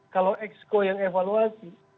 kalau exco yang evaluasi